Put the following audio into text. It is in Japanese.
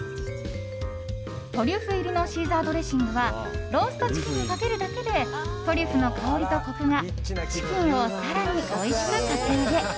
トリュフ入りのシーザードレッシングはローストチキンにかけるだけでトリュフの香りとコクがチキンを更においしく格上げ。